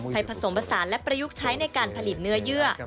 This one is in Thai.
ผสมผสานและประยุกต์ใช้ในการผลิตเนื้อเยื่อ